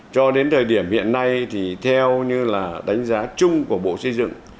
cho đến thời điểm hiện nay thì theo như là đánh giá chung của bộ xây dựng